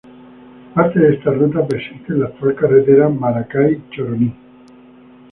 Parte de esta ruta persiste en la actual carretera Maracay-Choroní.